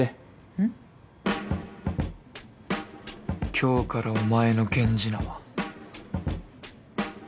今日からお前の源氏名は。